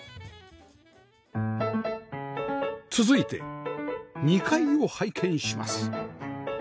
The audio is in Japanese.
続いて２階を拝見します